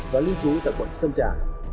và lưu trú tại quận sơn trà